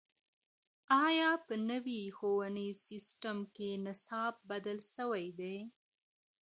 آیا په نوي ښوونیز سیسټم کي نصاب بدل سوی دی؟